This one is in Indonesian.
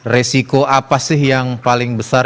resiko apa sih yang paling besar